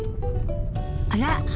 あら？